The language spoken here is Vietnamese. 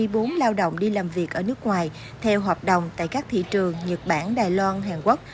vừa hai trăm hai mươi bốn lao động đi làm việc ở nước ngoài theo hợp đồng tại các thị trường nhật bản đài loan hàn quốc